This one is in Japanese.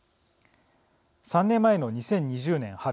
３年前の２０２０年春。